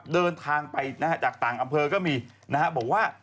เดินทางไปจากต่างอำเภอก็มีนะฮะบอกว่า